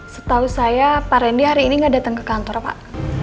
setahu saya pak randy hari ini nggak datang ke kantor pak